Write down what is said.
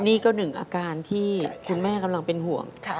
นี่ก็หนึ่งอาการที่คุณแม่กำลังเป็นห่วง